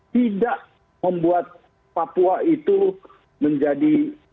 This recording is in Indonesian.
tidak membuat papua itu menjadi